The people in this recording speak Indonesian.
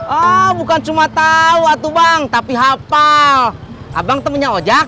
oh bukan cuma tahu atu bang tapi hafal abang temunya ojak